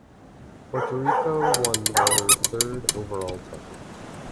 Puerto Rico won their third overall title.